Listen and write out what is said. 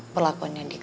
perlakuan yang dikasih